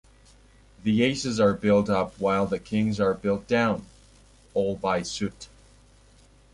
The aces are built up while the kings are built down, all by suit.